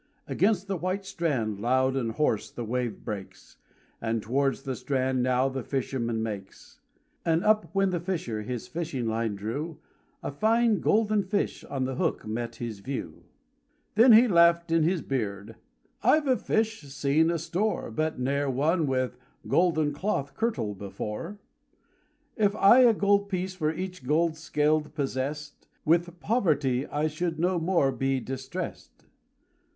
Against the white strand loud and hoarse the wave breaks, And towards the strand now the fisherman makes. And up when the fisher his fishing line drew, A fine golden fish on the hook met his view. Then he laughed in his beard: "I've of fish seen a store, But ne'er one with golden cloth kirtle before. "If I a gold piece for each gold scale possess'd, With poverty I should no more be distrest."